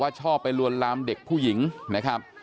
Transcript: เดี๋ยวให้กลางกินขนม